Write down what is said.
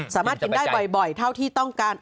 สามารถกินได้บ่อยเท่าที่ต้องการ